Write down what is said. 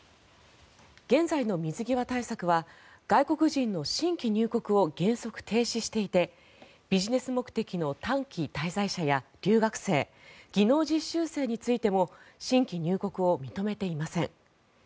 現在の水際対策は外国人の新規入国を原則停止していてビジネス目的の短期滞在者や留学生技能実習生についても新規入国を認めていません。